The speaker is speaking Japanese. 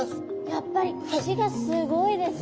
やっぱり口がすごいですね。